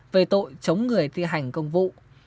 về tội chống người thi hành công vụ